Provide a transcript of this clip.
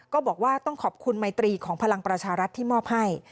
ก็บอกว่าต้องขอบคุณไมตรีของพลังประชารัฐที่มอบให้